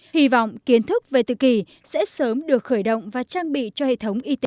hy vọng kiến thức về tự kỷ sẽ sớm được khởi động và trang bị cho hệ thống y tế